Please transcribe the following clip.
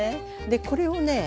でこれをね